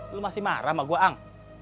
lu masih marah sama gue ang